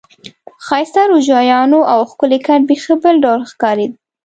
ښایسته روجایانو او ښکلي کټ بیخي بېل ډول ښکارېد.